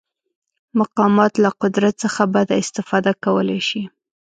مقامات له قدرت څخه بده استفاده کولی شي.